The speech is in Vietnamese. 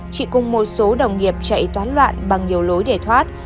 chị cùng một số đồng nghiệp chạy toán loạn bằng nhiều lối để thoát